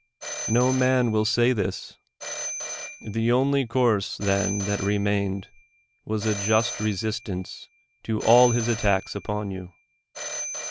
No man will say this ! The only course then that remained was a just resistance to all his attacks upon you.